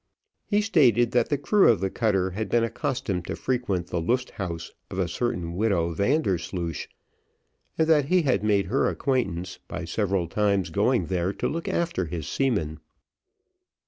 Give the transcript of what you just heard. He stated that the crew of the cutter had been accustomed to frequent the Lust Haus of a certain widow Vandersloosh, and that he had made her acquaintance, by several times going there to look after his seamen.